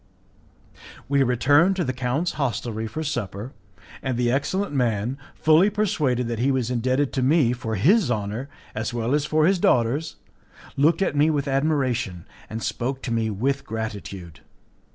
We returned to the count's hostelry for supper, and the excellent man, fully persuaded that he was indebted to me for his honour as well as for his daughter's, looked at me with admiration, and spoke to me with gratitude.